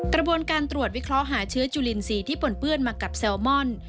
กระบวนการตรวจวิเคราะห์หาเชื้อจุลินทรีย์ที่ปนเปื้อนมากับแซลมอน